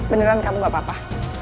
beneran kamu gak apa apa